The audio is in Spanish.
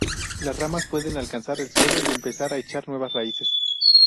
Las ramas pueden alcanzar el suelo y empezar a echar nuevas raíces.